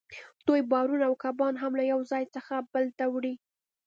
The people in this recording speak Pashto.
دوی بارونه او کبان هم له یو ځای څخه بل ته وړي